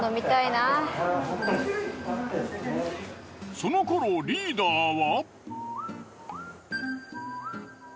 その頃リーダーは。